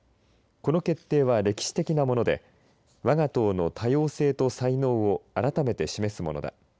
この決定は歴史的なもので、わが党の多様性と才能を改めて示すものだ。